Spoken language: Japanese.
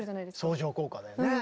相乗効果だよね。